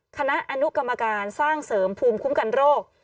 คณะอนุกรรมการสร้างเสริมภูมิคุ้มกันโรค